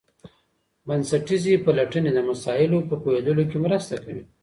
بنسټیزي پلټني د مسایلو په پوهیدلو کي مرسته کوي.